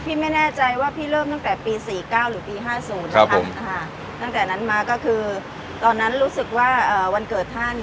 พี่ไม่แน่ใจว่าพี่เริ่มตั้งแต่ปี๔๙หรือปี๕๐นะคะตั้งแต่นั้นมาก็คือตอนนั้นรู้สึกว่าวันเกิดท่าน